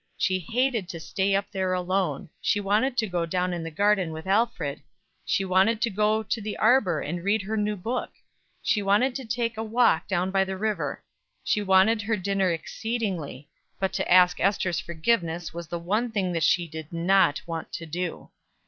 She hated to stay up there alone; she wanted to go down in the garden with Alfred; she wanted to go to the arbor and read her new book; she wanted to take a walk down by the river; she wanted her dinner exceedingly; but to ask Ester's forgiveness was the one thing that she did not want to do.